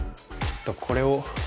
これを。